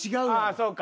そうか。